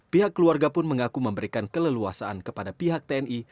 pihak keluarga pun mengaku memberikan keleluasaan kepada pihak tni